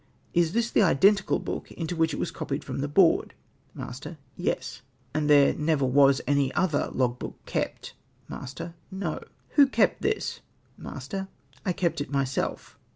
" Is this the identical hook into which it was copied from the board?" Master. —" Yes." " And there never was any other log book kept ?" Master. —" No." " Who kept this ?" Master. —" I kept it myself."